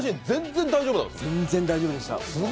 全然大丈夫でした。